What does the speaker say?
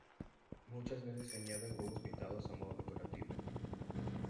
Muchas veces se añaden huevos pintados a modo decorativo.